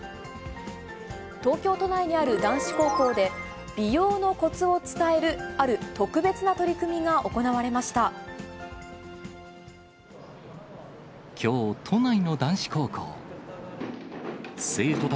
東京都内にある男子高校で、美容のこつを伝える、ある特別な取り組みが行われました。